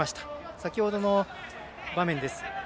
先ほどの場面です。